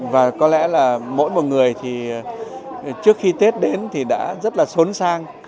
và có lẽ là mỗi một người thì trước khi tết đến thì đã rất là sốn sang